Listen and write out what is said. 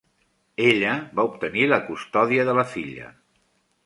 Ella va obtenir la custòdia de la filla.